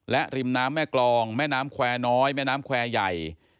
และริมน้ำแม่กรองแม่น้ำแควร์น้อยแม่น้ำแควร์ใหญ่